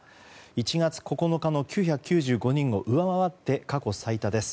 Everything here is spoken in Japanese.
１月９日の９９５人を上回って過去最多です。